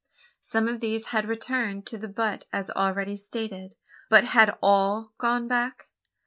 Some of these had returned to the butte as already stated, but had all gone back?